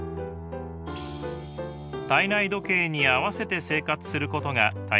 体内時計に合わせて生活することが大切です。